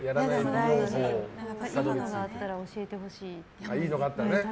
いいのがあったら教えてほしい。